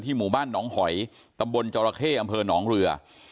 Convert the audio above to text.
หมู่บ้านหนองหอยตำบลจรเข้อำเภอหนองเรือ